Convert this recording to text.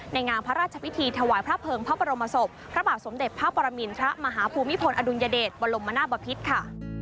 งามพระราชพิธีถวายพระเภิงพระบรมศพพระบาทสมเด็จพระปรมินทรมาฮภูมิพลอดุลยเดชบรมนาบพิษค่ะ